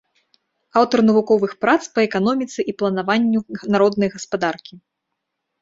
Аўтар навуковых прац па эканоміцы і планаванню народнай гаспадаркі.